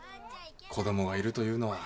子供がいるというのは。